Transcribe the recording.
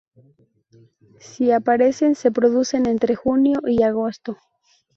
Si aparecen, se producen entre junio y agosto.